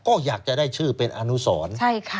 ก็อยากจะได้ชื่อเป็นอนุสร